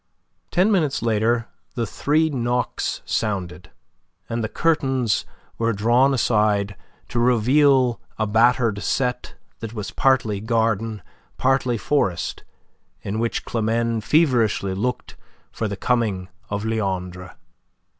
Ten minutes later the three knocks sounded, and the curtains were drawn aside to reveal a battered set that was partly garden, partly forest, in which Climene feverishly looked for the coming of Leandre.